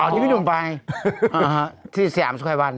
ที่พี่หนุ่มไปที่สยามสุขัยวัน